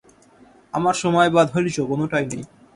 আমার সময় বা ধৈর্য কোনোটাই নেই।